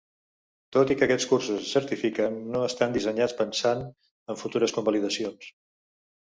Tot i que aquests cursos es certifiquen, no estan dissenyats pensant en futures convalidacions.